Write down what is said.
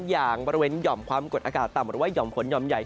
อย่างบริเวณหย่อมความกดอากาศต่ำหรือว่าห่อมฝนห่อมใหญ่